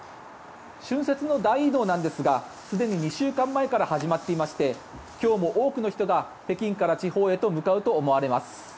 春節の大移動なんですがすでに２週間前から始まっていまして今日も多くの人が北京から地方へと向かうと思われます。